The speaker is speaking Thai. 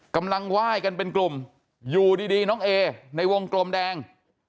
กำลังไหว้กันเป็นกลุ่มอยู่ดีน้องเอในวงกลมแดง